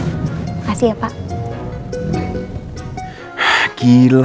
makasih ya pak